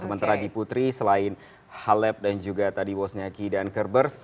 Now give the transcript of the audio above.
sementara di putri selain halep dan juga tadi wozniacki dan kerbers